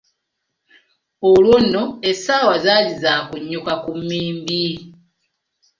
Olwo nno essaawa zaali za kunyuka ku mmimbi.